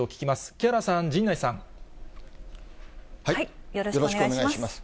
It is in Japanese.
木原さん、よろしくお願いします。